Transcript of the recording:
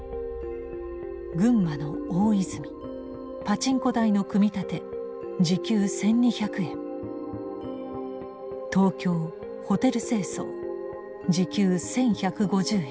「群馬の大泉パチンコ台の組み立て時給１，２００円」「東京ホテル清掃時給１，１５０円」。